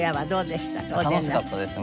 楽しかったです。